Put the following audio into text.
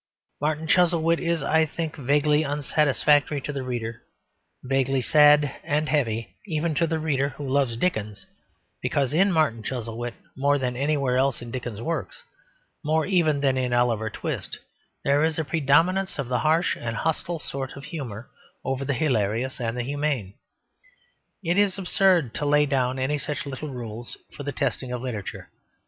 Martin Chuzzlewit is, I think, vaguely unsatisfactory to the reader, vaguely sad and heavy even to the reader who loves Dickens, because in Martin Chuzzlewit more than anywhere else in Dickens's works, more even than in Oliver Twist, there is a predominance of the harsh and hostile sort of humour over the hilarious and the humane. It is absurd to lay down any such little rules for the testing of literature.